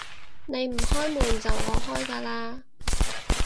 你唔開門，就我開㗎喇